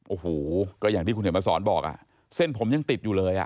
โอ้โหก็อย่างที่คุณเห็นมาสอนบอกอ่ะเส้นผมยังติดอยู่เลยอ่ะ